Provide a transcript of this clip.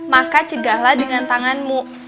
maka cegahlah dengan tanganmu